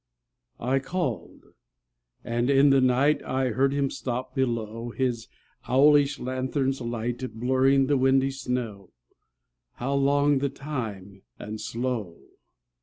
I called. And in the night I heard him stop below, His owlish lanthorn's light Blurring the windy snow How long the time and slow!